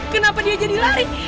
kenapa dia jadi lari